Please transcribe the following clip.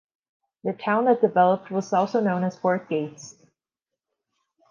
The town that developed was also known as Fort Yates.